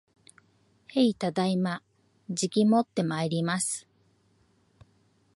へい、ただいま。じきもってまいります